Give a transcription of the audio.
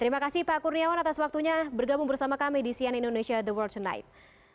terima kasih pak kurniawan atas waktunya bergabung bersama kami di sian indonesia the world tonight